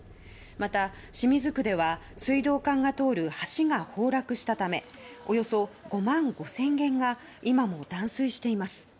また清水区では水道管が通る橋が崩落したためおよそ５万５０００軒が今も断水しています。